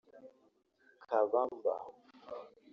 Kabamba